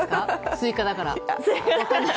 スイカだから。